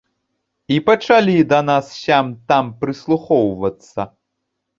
І пачалі да нас сям-там прыслухоўвацца.